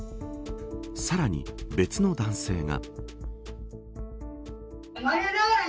さらに別の男性が。